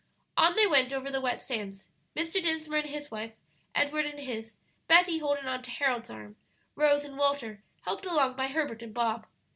On they went over the wet sands Mr. Dinsmore and his wife, Edward and his, Betty holding on to Harold's arm, Rose and Walter helped along by Herbert and Bob.